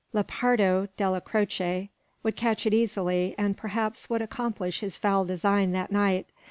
Lepardo Della Croce would catch it easily, and perhaps would accomplish his foul design that night.